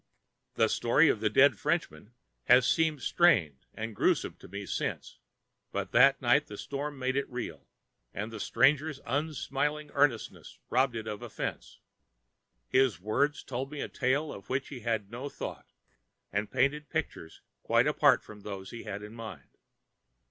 The story of the dead Frenchman has seemed strained and gruesome to me since, but that night the storm made it real, and the stranger's unsmiling earnestness robbed it of offense. His words told me a tale of which he had no thought, and painted pictures quite apart from those he had in mind.